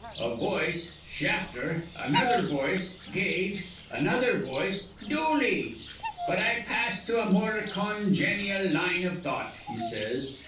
[A voice: 'Shafter.' Another voice: 'Gage.' Another voice: 'Dooley.'] 'But I pass to a more conganial line iv thought,' he says.